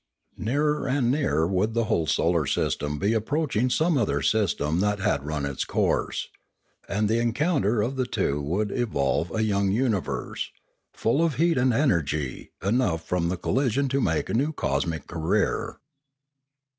Nearer and nearer would the whole solar system be approaching some other system that had run its course; and the encounter of the two would evolve a young universe, full of heat and energy enough from the collision to make a new cosmic career.